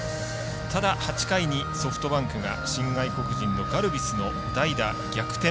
ただ、８回にソフトバンクが新外国人のガルビスの代打逆転